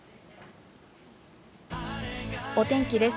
お天気です。